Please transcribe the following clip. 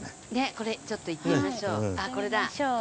これちょっと行ってみましょう。